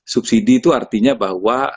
subsidi itu artinya bahwa